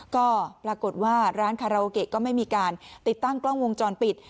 ก็ปรากฏว่าร้านคาราโอเกะก็ไม่มีการติดตั้งกล้องวงจรปิด